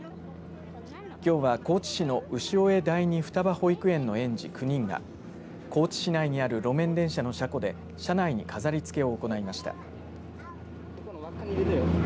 きょうは高知市の潮江第二双葉保育園の園児９人が高知市内にある路面電車の車庫で車内に飾りつけを行いました。